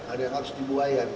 ada yang harus dibuayan